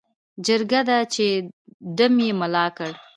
جرګه ده چې ډم یې ملا کړ.